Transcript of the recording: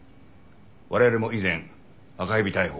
我々も以前赤蛇逮捕